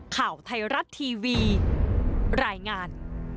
ข่าวไทยรัฐทีวีรายงาน